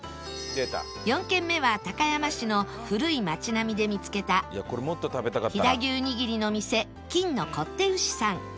４軒目は高山市の古い町並みで見つけた飛騨牛握りの店金乃こって牛さん